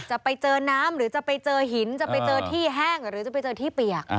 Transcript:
จะไปเจอน้ำหรือจะไปเจอหินจะไปเจอที่แห้งหรือจะไปเจอที่เปียก